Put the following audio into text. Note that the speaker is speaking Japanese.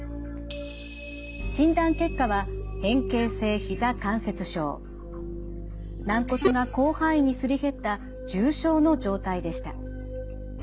診断結果は軟骨が広範囲にすり減った重症の状態でした。